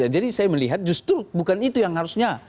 jadi saya melihat justru bukan itu yang harusnya